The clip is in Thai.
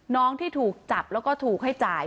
น้องที่ถูกจับแล้วก็ถูกให้จ่าย